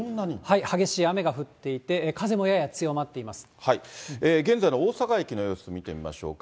激しい雨が降っていて、現在の大阪駅の様子見てみましょうか。